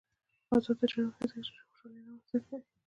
آزاد تجارت مهم دی ځکه چې خوشحالي رامنځته کوي.